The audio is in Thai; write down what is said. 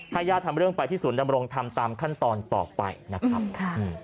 ให้ย่าทำเรื่องไปที่ส่วนดำรงทำตามขั้นตอนต่อไปนะครับ